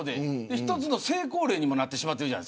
一つの成功例にもなってしまっている。